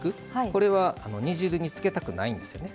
これは煮汁につけたくないんですよね。